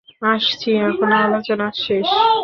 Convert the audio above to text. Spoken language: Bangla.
আচ্ছি, এখন আলোচনা শেষ।